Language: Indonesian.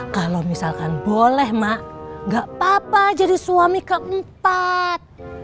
kalo misalkan boleh mak gak papa jadi suami keempat